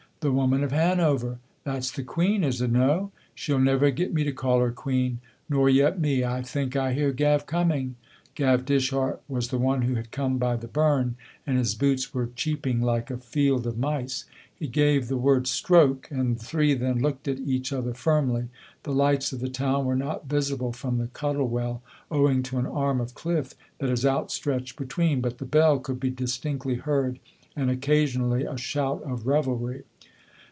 "The Woman of Hanover?" "That's the queen, is it no?" "She'll never get me to call her queen." "Nor yet me. I think I hear Gav coming." Gav Dishart was the one who had come by the burn, and his boots were cheeping like a field of mice. He gave the word "Stroke," and the three then looked at each other firmly. The lights of the town were not visible from the Cuttle Well, owing to an arm of cliff that is outstretched between, but the bell could be distinctly heard, and occasionally a shout of revelry.